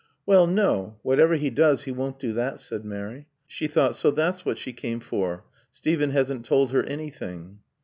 "Well no whatever he does he won't do that," said Mary. She thought, "So that's what she came for. Steven hasn't told her anything."